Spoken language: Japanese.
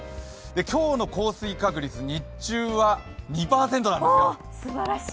今日の降水確率、日中は２％なんです。